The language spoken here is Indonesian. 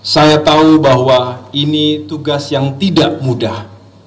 saya tahu bahwa ini tugas yang tidak mudah